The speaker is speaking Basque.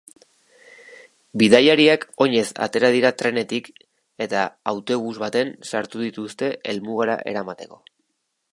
Bidaiariak oinez atera dira trenetik, eta autobus baten sartu dituzte helmugara eramateko.